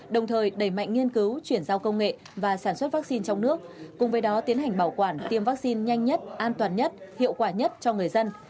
đồng thời đẩy mạnh nghiên cứu chuyển giao công nghệ và sản xuất vaccine trong nước cùng với đó tiến hành bảo quản tiêm vaccine nhanh nhất an toàn nhất hiệu quả nhất cho người dân